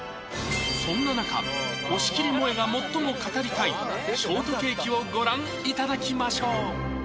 そんな中押切もえが最も語りたいショートケーキをご覧いただきましょう！